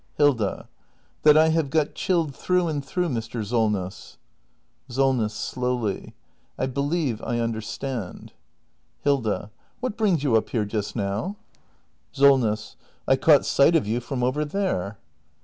Hilda. That I have got chilled through and through, Mr. Solness. SOLNESS. [Slowly.] I believe I understand Hilda. What brings you up here just now ? Solness. I caught sight of you from over there.